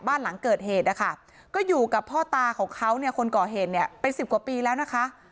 บ้านหลังเกิดเหตุก็อยู่กับพ่อตาของเขาคนก่อเหตุเป็น๑๐กว่าปีแล้วนะคะ